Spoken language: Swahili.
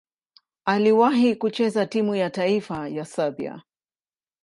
Aliwahi kucheza timu ya taifa ya Serbia.